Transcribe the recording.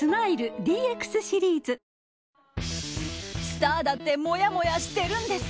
スターだってもやもやしてるんです。